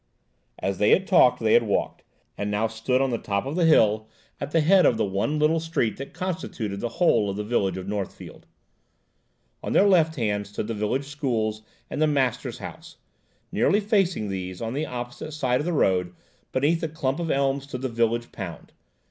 As they had talked they had walked, and now stood on the top of the hill at the head of the one little street that constituted the whole of the village of Northfield. On their left hand stood the village schools and the master's house; nearly facing these, on the opposite side of the road, beneath a clump of elms, stood the village pound.